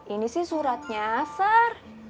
ini sih suratnya sar